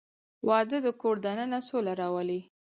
• واده د کور دننه سوله راولي.